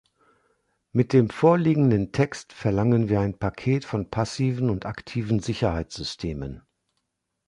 Mit dem vorliegenden Text verlangen wir ein Paket von passiven und aktiven Sicherheitssystemen.